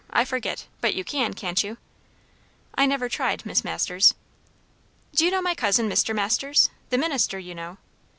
I forget. But you can, can't you?" "I never tried, Miss Masters." "Do you know my cousin, Mr. Masters? the minister, you know?"